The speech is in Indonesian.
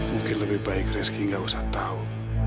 mungkin lebih baik rizky nggak usah tahu